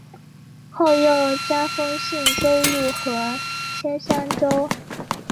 后又加封信州路和铅山州。